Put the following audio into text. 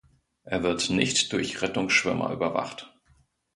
Er wird nicht durch Rettungsschwimmer überwacht.